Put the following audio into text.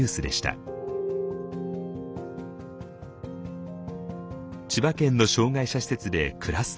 千葉県の障害者施設でクラスターが発生。